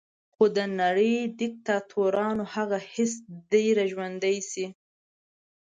خو د نړۍ د دیکتاتورانو هغه حس دې را ژوندی شي.